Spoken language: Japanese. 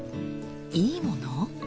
いいもの？